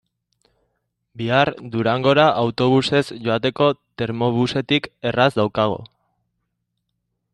Bihar Durangora autobusez joateko Termibusetik erraz daukagu.